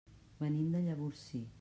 Venim de Llavorsí.